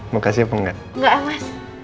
mau kasih apa engga engga emas